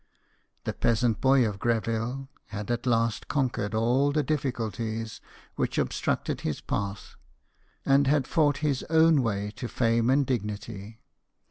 The peasant boy of Greville had at last conquered all the difficulties which obstructed his path, and had fought his own way to fame and dignity.